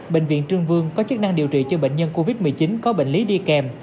bệnh viện trương vương có chức năng điều trị cho bệnh nhân covid một mươi chín có bệnh lý đi kèm